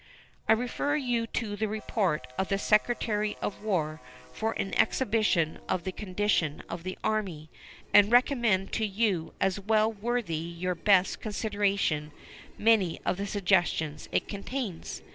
I refer you to the report of the Secretary of War for an exhibition of the condition of the Army, and recommend to you as well worthy your best consideration many of the suggestions it contains.